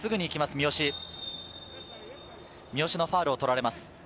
三好のファウルを取られます。